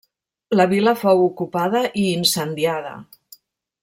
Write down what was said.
La vila fou ocupada i incendiada.